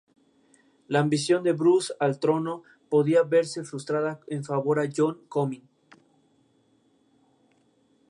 Otras se hacían de vidrio o de barro.